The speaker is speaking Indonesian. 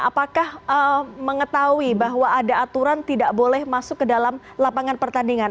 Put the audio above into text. apakah mengetahui bahwa ada aturan tidak boleh masuk ke dalam lapangan pertandingan